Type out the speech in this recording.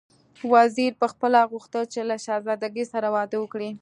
وزیر پخپله غوښتل چې له شهزادګۍ سره واده وکړي.